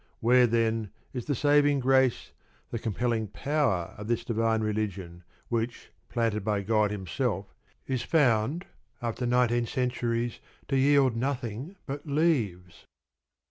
Where, then, is the saving grace, the compelling power, of this divine religion, which, planted by God Himself, is found after nineteen centuries to yield nothing but leaves?